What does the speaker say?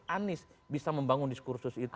anies bisa membangun diskursus itu